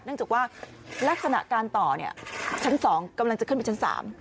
จากว่าลักษณะการต่อชั้น๒กำลังจะขึ้นไปชั้น๓